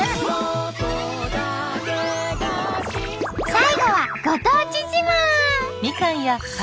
最後はご当地自慢。